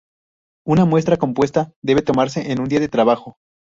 Una muestra compuesta debe tomarse en un día de trabajo.